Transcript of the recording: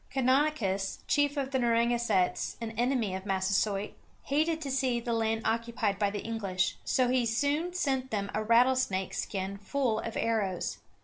Ca non´i cus, chief of the Nar ra gan´setts, an enemy of Massasoit, hated to see the land occupied by the English, so he soon sent them a rattlesnake's skin full of arrows.